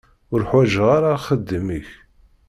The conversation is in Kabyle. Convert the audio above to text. Ur ḥwaǧeɣ ara axeddim-ik.